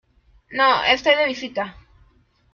no, estoy de visita.